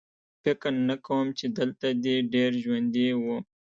فکر نه کوم چې دلته دې ډېر ژوندي وو